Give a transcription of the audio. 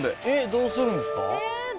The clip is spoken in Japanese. えっどうするんですか？